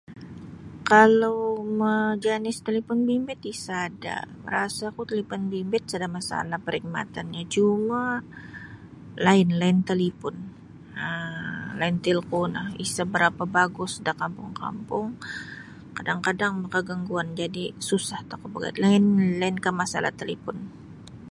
Kalau ma janis talipun bimbit isada rasa ku talipun bimbit sada masalah perkhidmatannyo cuma line line talipun um line telco no isa barapa bagus da kampung-kampung kadang-kadang maka gangguan jadi susah tokou bagayad lain-lainka masalah talipun.